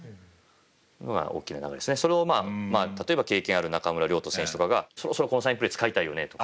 それを例えば経験ある中村亮土選手とかがそろそろこのサインプレー使いたいよねとか。